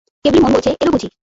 কেবলই মন বলেছে, এল বুঝি।